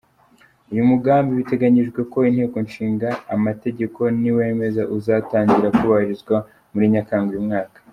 Uyu mugambi biteganyijwe ko Inteko Ishinga Amategeko niwemeza uzatangira kubahirizwa muri Nyakanga uyu mwaka.